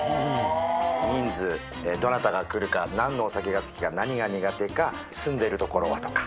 人数、どなたが来るか、なんのお酒が好きか、何が苦手か、住んでいる所とかはとか。